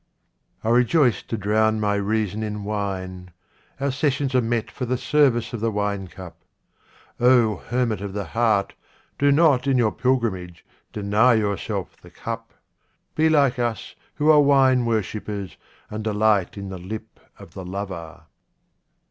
I rejoice to drown my reason in wine : our sessions are met for the service of the wine cup. O hermit of the heart, do not, in your pilgrimage, deny yourself the cup. Be like us who are wine worshippers, and delight in the lip of the lover.